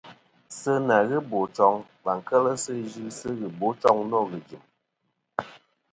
Sɨ nà ghɨ bòchoŋ và kel sɨ yɨsɨ ghɨbochoŋ nô ghɨ̀jɨ̀m.